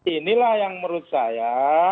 inilah yang menurut saya